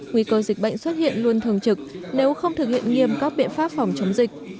nguy cơ dịch bệnh xuất hiện luôn thường trực nếu không thực hiện nghiêm các biện pháp phòng chống dịch